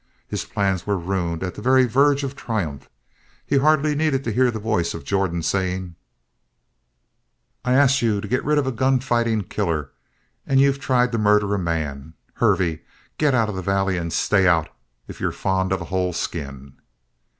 His plans were ruined at the very verge of a triumph. He hardly needed to hear the voice of Jordan saying: "I asked you to get rid of a gun fighting killer and you've tried to murder a man. Hervey, get out of the Valley and stay out if you're fond of a whole skin!"